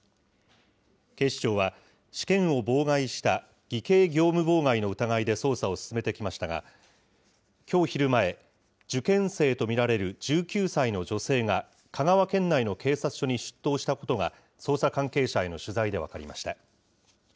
警視庁は、試験を妨害した偽計業務妨害の疑いで捜査を進めてきましたが、きょう昼前、受験生と見られる１９歳の女性が、香川県内の警察署に出頭したことが、捜査関係者への取材で分かりました。